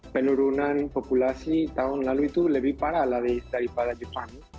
penurunan populasi tahun lalu itu lebih parah daripada jepang